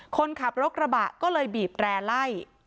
คนขับรถกระบะก็เลยบีบแร่ไล่